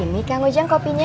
ini kamu jang kopinya